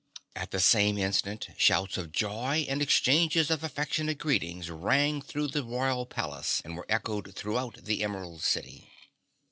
At this same instant, shouts of joy and exchanges of affectionate greetings rang through the Royal Palace and were echoed throughout the Emerald City.